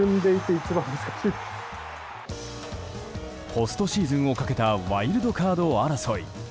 ポストシーズンをかけたワイルドカード争い。